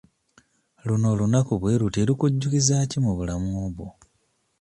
Luno olunaku bwe luti lukujjukiza ki mu bulamu bwo?